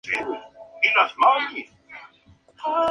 Florece en verano y otoño.